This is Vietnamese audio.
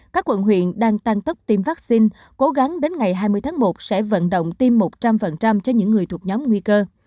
các quận huyện đang tăng tốc tiêm vaccine cố gắng đến ngày hai mươi tháng một sẽ vận động tiêm một trăm linh cho những người thuộc nhóm nguy cơ